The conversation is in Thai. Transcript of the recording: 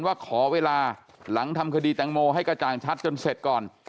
ว่าขอเวลาหลังทำคดีแตงโมให้กระจ่างชัดจนเสร็จก่อน